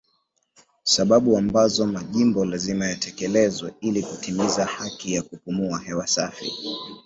saba ambazo Majimbo lazima yatekeleze ili kutimiza haki ya kupumua hewa safi